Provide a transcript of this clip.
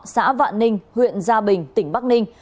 xã vạn ninh huyện gia bình tỉnh bắc ninh